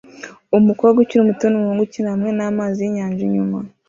Umukobwa ukiri muto numuhungu ukina hamwe namazi yinyanja inyuma